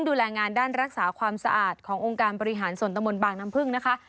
ชมวิวทิวทัศน์สวยงามของของธนาคตก